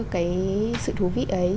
cái sự thú vị ấy